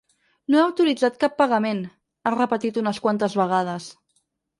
“No he autoritzat cap pagament”, ha repetit unes quantes vegades.